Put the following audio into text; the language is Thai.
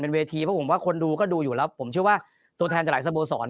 เวทีเพราะผมว่าคนดูก็ดูอยู่แล้วผมเชื่อว่าตัวแทนจากหลายสโมสร